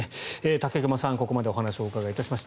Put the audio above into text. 武隈さん、ここまでお話をお伺いしました。